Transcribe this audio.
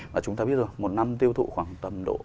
và chúng ta biết rồi một năm tiêu thụ khoảng tầm độ